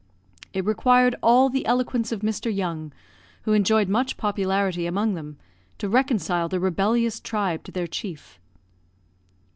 It required all the eloquence of Mr. Young, who enjoyed much popularity among them, to reconcile the rebellious tribe to their chief.